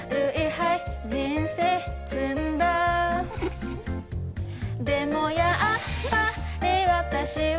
はい、人生詰んだでもやっぱり私は